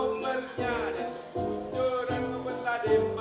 dan kebuncuran membuta di malam